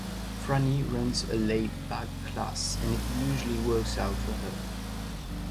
Franny runs a laid back class and it usually works out for her.